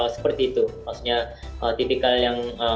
saya juga menarik dari thailand